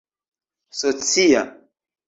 socia